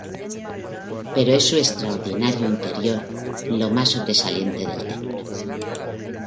Pero es su extraordinario interior lo más sobresaliente del templo.